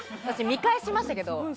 見返しましたけど。